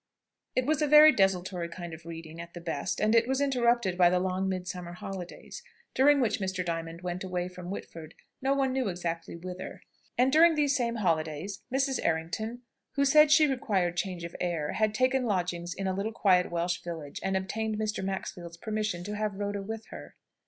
It was a very desultory kind of reading at the best, and it was interrupted by the long Midsummer holidays, during which Mr. Diamond went away from Whitford, no one knew exactly whither. And during these same holidays, Mrs. Errington, who said she required change of air, had taken lodgings in a little quiet Welsh village, and obtained Mr. Maxfield's permission to have Rhoda with her.